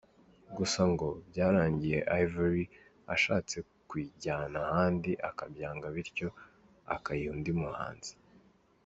Gusa ngo byarangiye Yverry ashatse kuyijyana ahandi akabyanga bityo akayiha undi muhanzi.